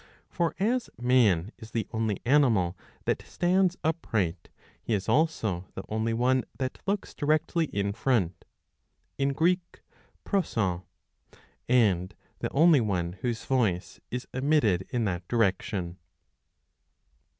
For as man is the only animal that stands upright, he is also the only one that looks directly in front (in Greek proso) ; and the only one whose voice is emitted in that direction.